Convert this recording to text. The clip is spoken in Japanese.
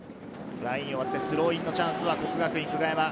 ラインを割ってスローインのチャンスは國學院久我山。